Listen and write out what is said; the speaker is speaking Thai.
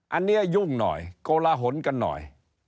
อันนี้ยุ่งหน่อยโกลหนกันหน่อย